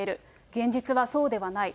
現実はそうではない。